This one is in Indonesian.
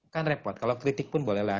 kan repot kalau kritik pun bolehlah